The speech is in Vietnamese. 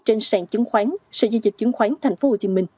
trên sàn chứng khoán sở giao dịch chứng khoán tp hcm